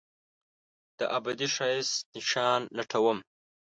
دابدي ښایست نشان لټوم